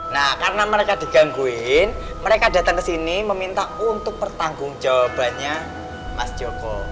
nah karena mereka digangguin mereka datang ke sini meminta untuk pertanggung jawabannya mas joko